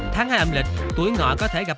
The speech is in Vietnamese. tháng hai âm lịch tuổi ngọ có thể gặp